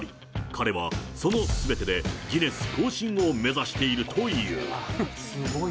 彼はそのすべてでギネス更新を目指しているという。